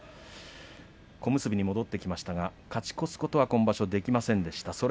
小結に戻ってきましたが勝ち越すことは、今場所できませんでした。